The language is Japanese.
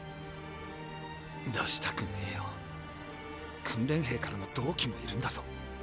出したくねぇよ訓練兵からの同期もいるんだぞ。